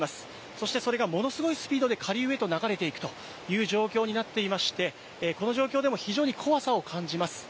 そしてそれがものすごいスピードで下流へと流れていくという状況になっていまして、この状況でも、非常に怖さを感じます。